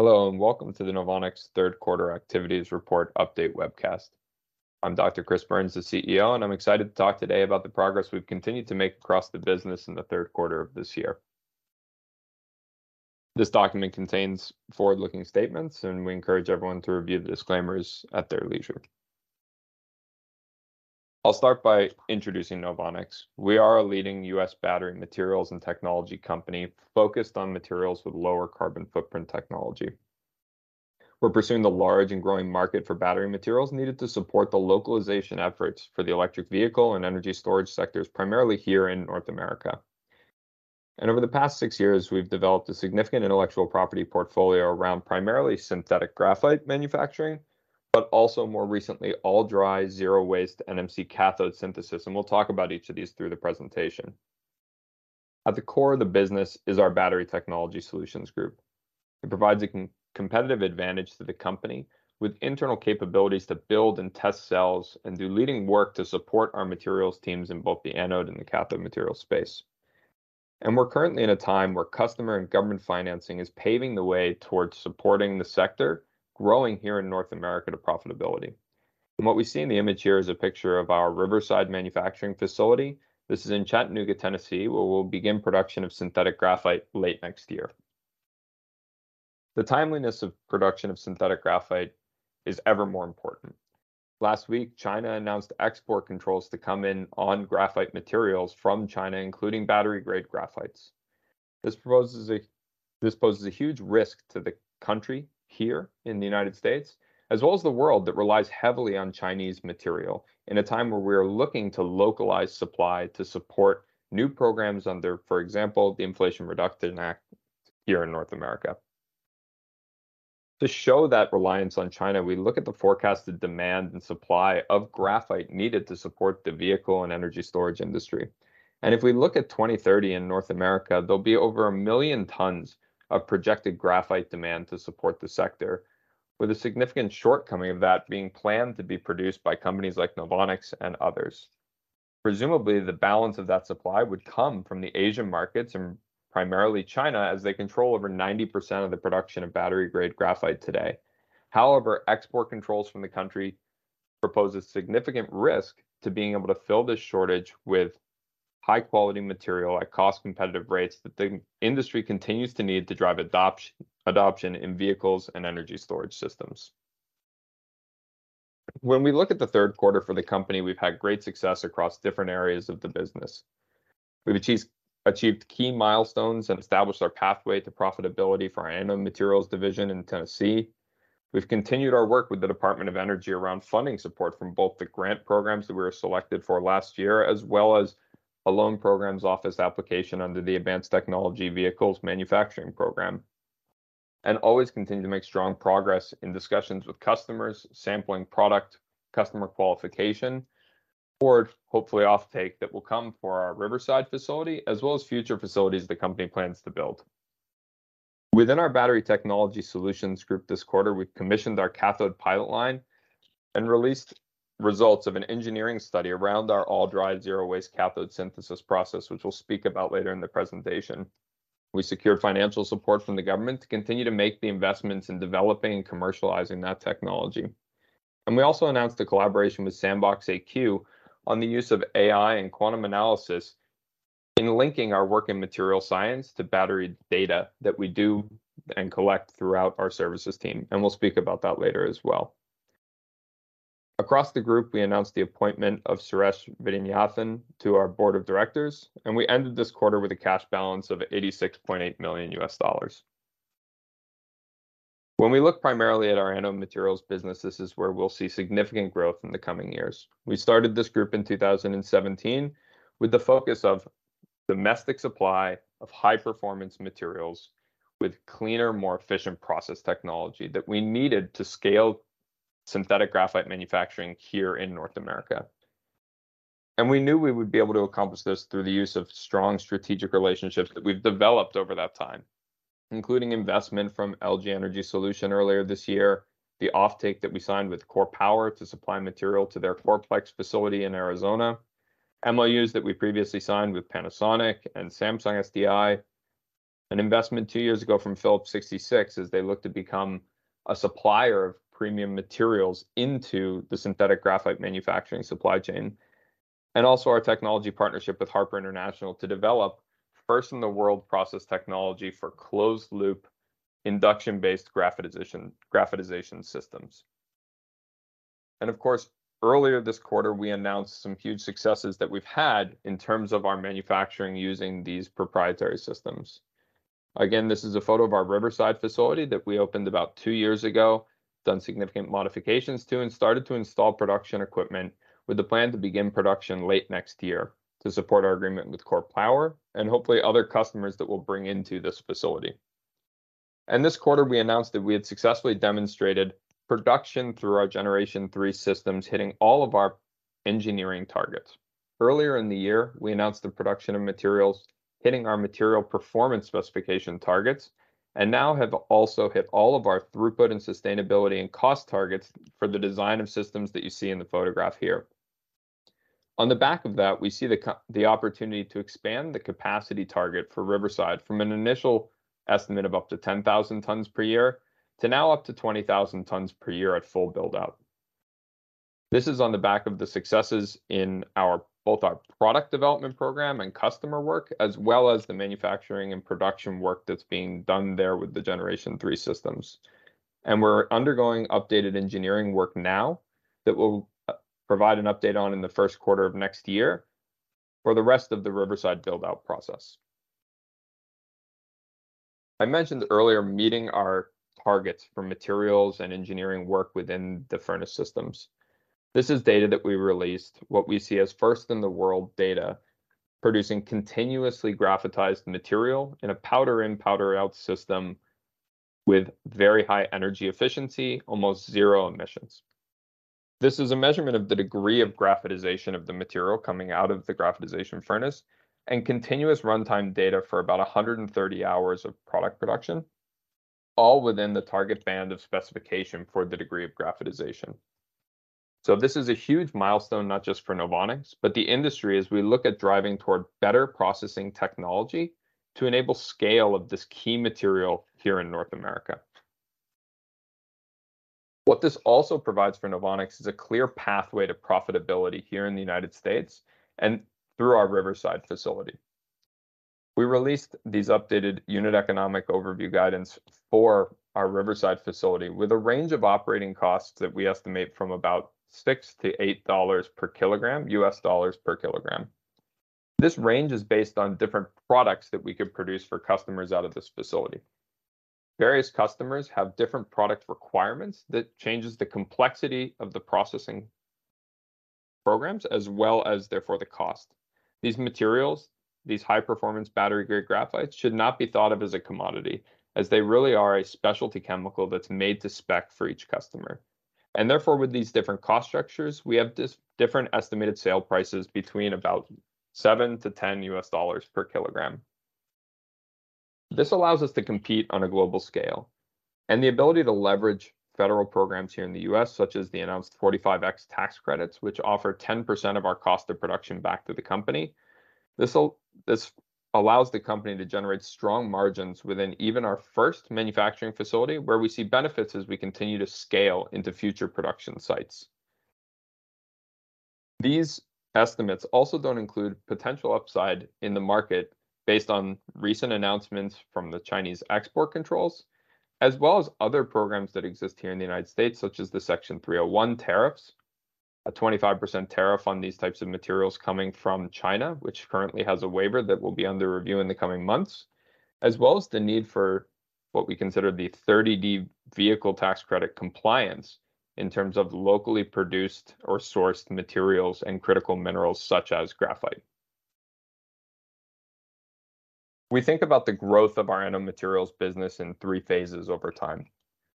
Hello, and welcome to the NOVONIX Third Quarter Activities Report Update webcast. I'm Dr. Chris Burns, the CEO, and I'm excited to talk today about the progress we've continued to make across the business in the third quarter of this year. This document contains forward-looking statements, and we encourage everyone to review the disclaimers at their leisure. I'll start by introducing NOVONIX. We are a leading U.S. battery materials and technology company focused on materials with lower carbon footprint technology. We're pursuing the large and growing market for battery materials needed to support the localization efforts for the electric vehicle and energy storage sectors, primarily here in North America. Over the past six years, we've developed a significant intellectual property portfolio around primarily synthetic graphite manufacturing, but also more recently, all dry, zero-waste NMC cathode synthesis, and we'll talk about each of these through the presentation. At the core of the business is our battery technology solutions group. It provides a competitive advantage to the company, with internal capabilities to build and test cells and do leading work to support our materials teams in both the anode and the cathode material space. We're currently in a time where customer and government financing is paving the way towards supporting the sector, growing here in North America to profitability. What we see in the image here is a picture of our Riverside manufacturing facility. This is in Chattanooga, Tennessee, where we'll begin production of synthetic graphite late next year. The timeliness of production of synthetic graphite is ever more important. Last week, China announced export controls to come in on graphite materials from China, including battery-grade graphites. This poses a huge risk to the country here in the United States, as well as the world that relies heavily on Chinese material in a time where we're looking to localize supply to support new programs under, for example, the Inflation Reduction Act here in North America. To show that reliance on China, we look at the forecasted demand and supply of graphite needed to support the vehicle and energy storage industry. If we look at 2030 in North America, there'll be over 1 million tons of projected graphite demand to support the sector, with a significant shortcoming of that being planned to be produced by companies like NOVONIX and others. Presumably, the balance of that supply would come from the Asian markets and primarily China, as they control over 90% of the production of battery-grade graphite today. However, export controls from the country propose significant risk to being able to fill this shortage with high-quality material at cost-competitive rates that the industry continues to need to drive adoption in vehicles and energy storage systems. When we look at the third quarter for the company, we've had great success across different areas of the business. We've achieved key milestones and established our pathway to profitability for our anode materials division in Tennessee. We've continued our work with the Department of Energy around funding support from both the grant programs that we were selected for last year, as well as a Loan Programs Office application under the Advanced Technology Vehicles Manufacturing program, and always continue to make strong progress in discussions with customers, sampling product, customer qualification, or hopefully offtake that will come for our Riverside facility, as well as future facilities the company plans to build. Within our Battery Technology Solutions group this quarter, we commissioned our cathode pilot line and released results of an engineering study around our all-dry, zero-waste cathode synthesis process, which we'll speak about later in the presentation. We secured financial support from the government to continue to make the investments in developing and commercializing that technology. We also announced a collaboration with SandboxAQ on the use of AI and quantum analysis in linking our work in material science to battery data that we do and collect throughout our services team, and we'll speak about that later as well. Across the group, we announced the appointment of Suresh Vaidyanathan to our board of directors, and we ended this quarter with a cash balance of $86.8 million. When we look primarily at our anode materials business, this is where we'll see significant growth in the coming years. We started this group in 2017, with the focus of domestic supply of high-performance materials with cleaner, more efficient process technology that we needed to scale synthetic graphite manufacturing here in North America. We knew we would be able to accomplish this through the use of strong strategic relationships that we've developed over that time, including investment from LG Energy Solution earlier this year, the offtake that we signed with KORE Power to supply material to their KOREPlex facility in Arizona, MOUs that we previously signed with Panasonic and Samsung SDI, an investment two years ago from Phillips 66 as they look to become a supplier of premium materials into the synthetic graphite manufacturing supply chain. Also our technology partnership with Harper International to develop first-in-the-world process technology for closed-loop induction-based graphitization, graphitization systems. Of course, earlier this quarter, we announced some huge successes that we've had in terms of our manufacturing using these proprietary systems. Again, this is a photo of our Riverside facility that we opened about two years ago, done significant modifications to, and started to install production equipment with the plan to begin production late next year to support our agreement with KORE Power and hopefully other customers that we'll bring into this facility. This quarter, we announced that we had successfully demonstrated production through our Generation 3 systems, hitting all of our engineering targets. Earlier in the year, we announced the production of materials, hitting our material performance specification targets, and now have also hit all of our throughput and sustainability and cost targets for the design of systems that you see in the photograph here. On the back of that, we see the opportunity to expand the capacity target for Riverside from an initial estimate of up to 10,000 tons per year to now up to 20,000 tons per year at full build-out. This is on the back of the successes in our, both our product development program and customer work, as well as the manufacturing and production work that's being done there with the Generation 3 systems. And we're undergoing updated engineering work now that we'll provide an update on in the first quarter of next year for the rest of the Riverside build-out process. I mentioned earlier, meeting our targets for materials and engineering work within the furnace systems. This is data that we released, what we see as first-in-the-world data, producing continuously graphitized material in a powder-in-powder-out system with very high energy efficiency, almost zero emissions. This is a measurement of the degree of graphitization of the material coming out of the graphitization furnace, and continuous runtime data for about 130 hours of product production, all within the target band of specification for the degree of graphitization. So this is a huge milestone, not just for NOVONIX, but the industry, as we look at driving toward better processing technology to enable scale of this key material here in North America. What this also provides for NOVONIX is a clear pathway to profitability here in the United States and through our Riverside facility. We released these updated unit economic overview guidance for our Riverside facility with a range of operating costs that we estimate from about $6-$8 per kilogram, U.S. dollars per kilogram. This range is based on different products that we could produce for customers out of this facility. Various customers have different product requirements that changes the complexity of the processing programs as well as therefore the cost. These materials, these high-performance, battery-grade graphites, should not be thought of as a commodity, as they really are a specialty chemical that's made to spec for each customer. Therefore, with these different cost structures, we have this different estimated sale prices between about $7-$10 per kilogram. This allows us to compete on a global scale, and the ability to leverage federal programs here in the U.S., such as the announced 45X tax credits, which offer 10% of our cost of production back to the company. This allows the company to generate strong margins within even our first manufacturing facility, where we see benefits as we continue to scale into future production sites. These estimates also don't include potential upside in the market based on recent announcements from the Chinese export controls, as well as other programs that exist here in the United States, such as the Section 301 tariffs, a 25% tariff on these types of materials coming from China, which currently has a waiver that will be under review in the coming months. As well as the need for what we consider the 30D vehicle tax credit compliance in terms of locally produced or sourced materials and critical minerals such as graphite. We think about the growth of our anode materials business in three phases over time.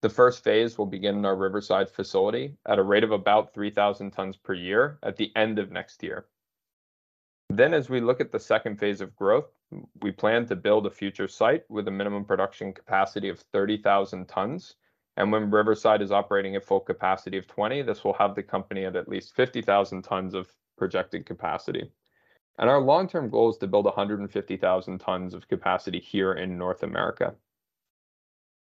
The first phase will begin in our Riverside facility at a rate of about 3,000 tons per year at the end of next year. Then, as we look at the second phase of growth, we plan to build a future site with a minimum production capacity of 30,000 tons. When Riverside is operating at full capacity of 20,000 tons, this will have the company at at least 50,000 tons of projected capacity. Our long-term goal is to build 150,000 tons of capacity here in North America.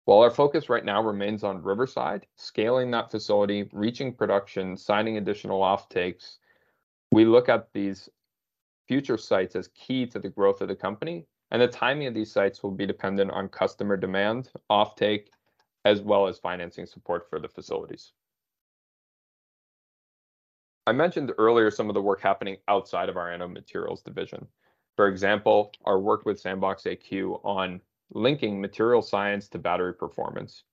While our focus right now remains on Riverside, scaling that facility, reaching production, signing additional offtakes, we look at these future sites as key to the growth of the company, and the timing of these sites will be dependent on customer demand, offtake, as well as financing support for the facilities. I mentioned earlier some of the work happening outside of our anode materials division. For example, our work with SandboxAQ on linking material science to battery performance.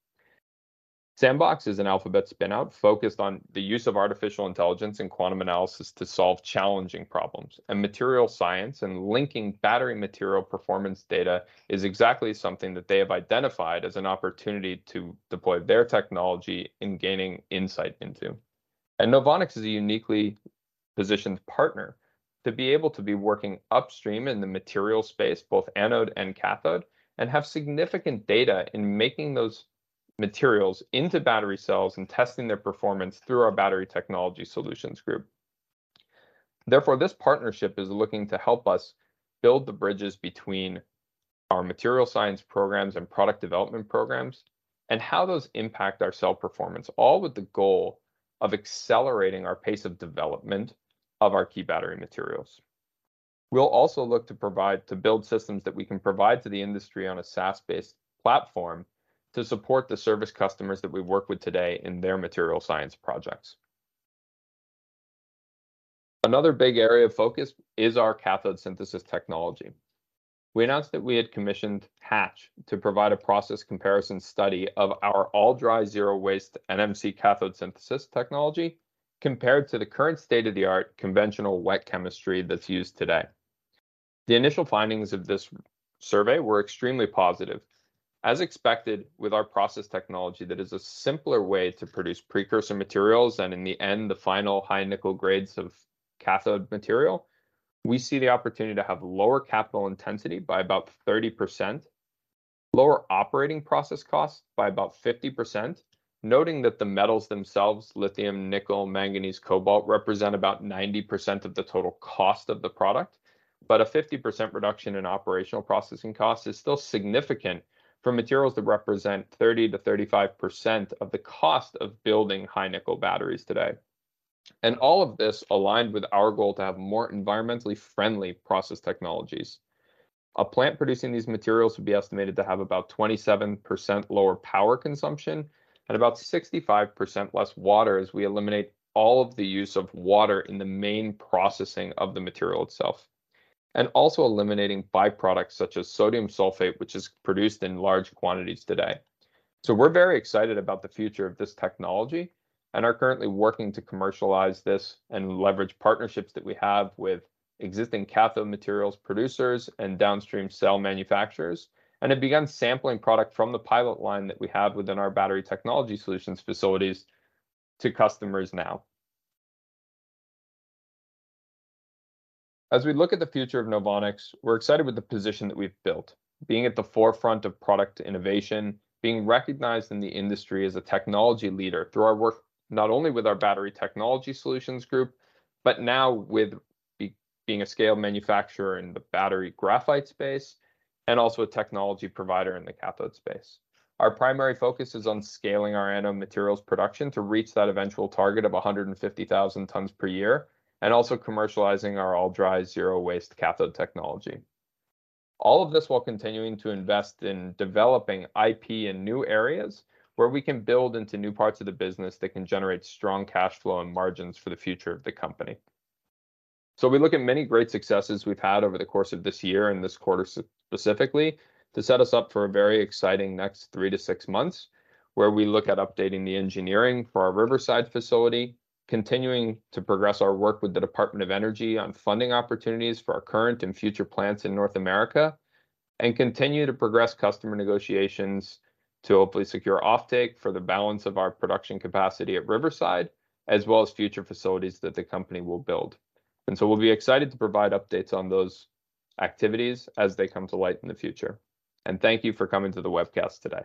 SandboxAQ is an Alphabet spin-out focused on the use of artificial intelligence and quantum analysis to solve challenging problems, and material science and linking battery material performance data is exactly something that they have identified as an opportunity to deploy their technology in gaining insight into. NOVONIX is a uniquely positioned partner to be able to be working upstream in the material space, both anode and cathode, and have significant data in making those materials into battery cells and testing their performance through our Battery Technology Solutions group. Therefore, this partnership is looking to help us build the bridges between our material science programs and product development programs, and how those impact our cell performance, all with the goal of accelerating our pace of development of our key battery materials. We'll also look to provide, to build systems that we can provide to the industry on a SaaS-based platform to support the service customers that we work with today in their material science projects. Another big area of focus is our cathode synthesis technology. We announced that we had commissioned Hatch to provide a process comparison study of our all-dry, zero-waste NMC cathode synthesis technology compared to the current state-of-the-art conventional wet chemistry that's used today. The initial findings of this survey were extremely positive. As expected, with our process technology, that is a simpler way to produce precursor materials, and in the end, the final high nickel grades of cathode material. We see the opportunity to have lower capital intensity by about 30%, lower operating process costs by about 50%, noting that the metals themselves, lithium, nickel, manganese, cobalt, represent about 90% of the total cost of the product. But a 50% reduction in operational processing cost is still significant for materials that represent 30%-35% of the cost of building high-nickel batteries today. All of this aligned with our goal to have more environmentally friendly process technologies. A plant producing these materials would be estimated to have about 27% lower power consumption and about 65% less water, as we eliminate all of the use of water in the main processing of the material itself. Also eliminating byproducts such as sodium sulfate, which is produced in large quantities today. So we're very excited about the future of this technology and are currently working to commercialize this and leverage partnerships that we have with existing cathode materials producers and downstream cell manufacturers, and have begun sampling product from the pilot line that we have within our Battery Technology Solutions facilities to customers now. As we look at the future of NOVONIX, we're excited with the position that we've built, being at the forefront of product innovation, being recognized in the industry as a technology leader through our work, not only with our Battery Technology Solutions group, but now with being a scale manufacturer in the battery graphite space and also a technology provider in the cathode space. Our primary focus is on scaling our anode materials production to reach that eventual target of 150,000 tons per year, and also commercializing our all dry, zero-waste cathode technology. All of this while continuing to invest in developing IP in new areas, where we can build into new parts of the business that can generate strong cash flow and margins for the future of the company. So we look at many great successes we've had over the course of this year and this quarter specifically, to set us up for a very exciting next 3-6 months, where we look at updating the engineering for our Riverside facility, continuing to progress our work with the Department of Energy on funding opportunities for our current and future plants in North America, and continue to progress customer negotiations to hopefully secure offtake for the balance of our production capacity at Riverside, as well as future facilities that the company will build. And so we'll be excited to provide updates on those activities as they come to light in the future. And thank you for coming to the webcast today.